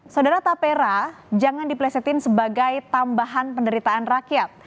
saudara tapera jangan diplesetin sebagai tambahan penderitaan rakyat